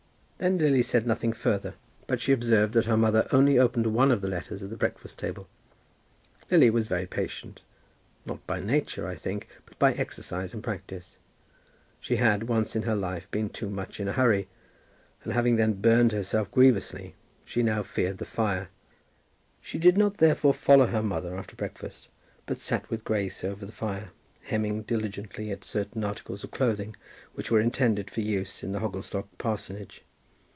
Then Lily said nothing further, but she observed that her mother only opened one of her letters at the breakfast table. Lily was very patient; not by nature, I think, but by exercise and practice. She had, once in her life, been too much in a hurry; and having then burned herself grievously, she now feared the fire. She did not therefore follow her mother after breakfast, but sat with Grace over the fire, hemming diligently at certain articles of clothing which were intended for use in the Hogglestock parsonage.